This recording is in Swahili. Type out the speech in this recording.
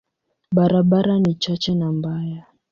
Barabara ni chache na mbaya.